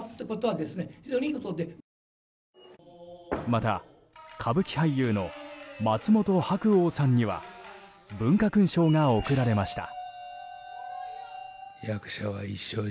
また歌舞伎俳優の松本白鸚さんには文化勲章が贈られました。